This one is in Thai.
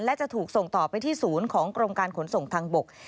และจะถูกส่งต่อไปที่ศูนย์ของกรมการขนส่งทางบก